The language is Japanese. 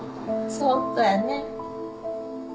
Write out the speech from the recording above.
そっとやね。